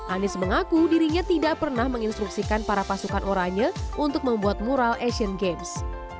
anies mengaku dirinya tidak pernah menginstruksikan para pasukan oranye untuk membuat mural asian games